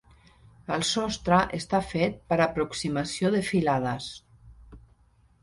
El sostre està fet per aproximació de filades.